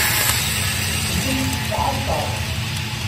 Telliḍ tettɛassaḍ.